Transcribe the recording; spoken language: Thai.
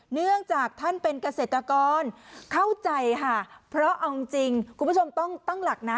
เนื่องจากท่านเป็นเกษตรกรเข้าใจค่ะเพราะเอาจริงคุณผู้ชมต้องตั้งหลักนะ